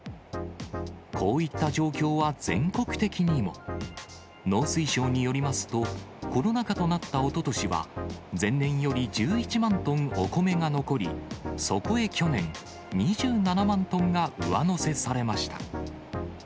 こういった状況は全国的にも。農水省によりますと、コロナ禍となったおととしは前年より１１万トンお米が残り、そこへ去年、２７万トンが上乗せされました。